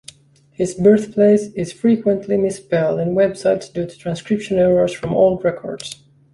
His birthplace is frequently misspelled in websites due to transcription errors from old records.